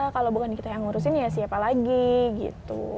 kalau bukan kita yang ngurusin ya siapa lagi gitu